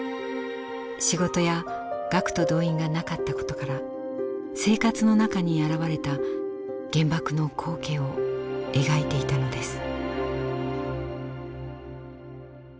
仕事や学徒動員がなかったことから生活の中に現れた原爆の光景を描いていたのです。